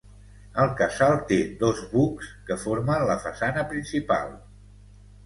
El casal té dos bucs que formen la façana principal.